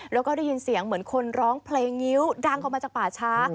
แล้วก็ได้ยินเสียงเหมือนคนร้องเพลงงิ้วดังออกมาจากป่าช้า